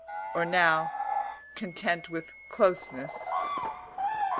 or now, content with closeness?